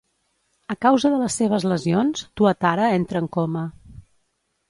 A causa de les seves lesions, Tuatara entra en coma.